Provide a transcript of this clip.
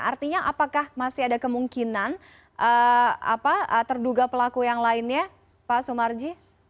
artinya apakah masih ada kemungkinan terduga pelaku yang lainnya pak sumarji